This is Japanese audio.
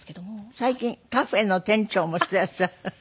最近カフェの店長もしていらっしゃる。